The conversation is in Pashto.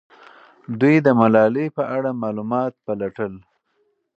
دوی د ملالۍ په اړه معلومات پلټل.